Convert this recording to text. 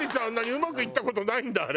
うまくいった事ないんだあれ。